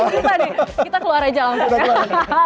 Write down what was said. kita keluar aja angkat ya